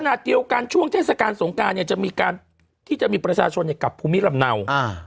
ขณะเดียวกันช่วงเทศกาลสงการเนี่ยจะมีการที่จะมีประชาชนกลับภูมิลำเนา